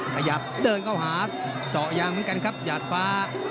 ขยับเดินเข้าหาเจาะยางเหมือนกันครับหยาดฟ้า